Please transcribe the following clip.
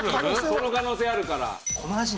その可能性あるから。